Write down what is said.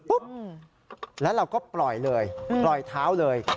ปุ๊บแล้วเราก็ปล่อยเลยปล่อยเท้าเลย